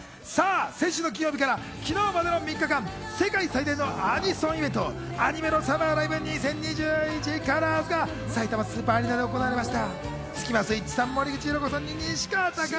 先週の金曜日から昨日までの３日間世界最大のアニソンイベント、ＡｎｉｍｅｌｏＳｕｍｍｅｒＬｉｖｅ２０２１−ＣＯＬＯＲＳ−がさいたまスーパーアリーナで行われました。